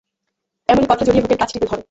এমনি কথা জড়িয়ে বুকের কাছটিতে ধরে।